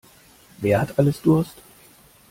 Wer hat alles Durst?